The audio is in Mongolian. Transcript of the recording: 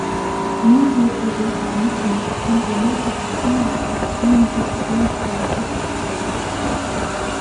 Ийм зүйлгүйгээр домогт үндэслэх нь өнөө цагт эцсийн байдлаар олон нийтэд хүлээн зөвшөөрөгдөж чадахгүй.